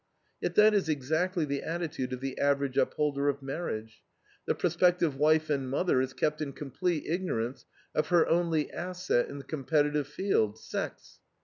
Yet that is exactly the attitude of the average upholder of marriage. The prospective wife and mother is kept in complete ignorance of her only asset in the competitive field sex.